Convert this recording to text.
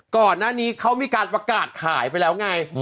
ก่อนหน้านี้เขามีการประกาศขายไปแล้วไง